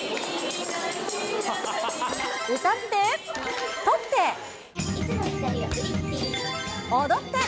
歌って、撮って、踊って。